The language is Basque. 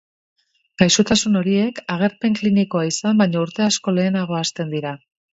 Gaixotasun horiek agerpen klinikoa izan baino urte asko lehenago hasten dira.